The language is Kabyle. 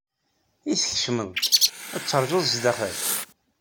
I tkecmeḍ-d, ad teṛjuḍ sdaxel?